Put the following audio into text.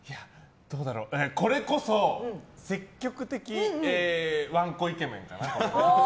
これこそ積極的わんこイケメンかな。